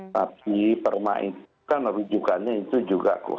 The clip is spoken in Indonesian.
tapi permainan merujukannya itu juga kuh